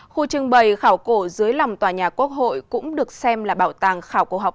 khu trưng bày khảo cổ dưới lòng tòa nhà quốc hội cũng được xem là bảo tàng khảo cổ học